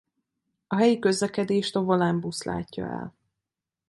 A helyi közlekedést a Volánbusz látja el.